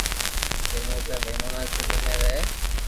جي موٽا پيمونا تي سندھ مي رھي